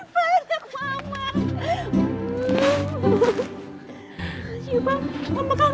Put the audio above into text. sayang itu itu papa tuh